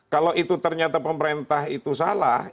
kalau itu ternyata pemerintah itu salah